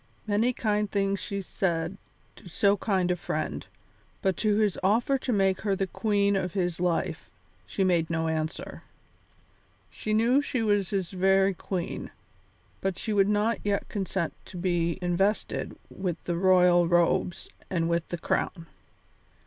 Many kind things she said to so kind a friend, but to his offer to make her the queen of his life she made no answer. She knew she was his very queen, but she would not yet consent to be invested with the royal robes and with the crown.